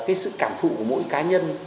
cái sự cảm thụ của mỗi cá nhân